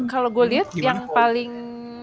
kalau gue lihat yang paling